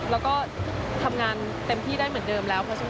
แล้วก็ทำงานเต็มที่ได้เหมือนเดิมแล้วเพราะฉะนั้น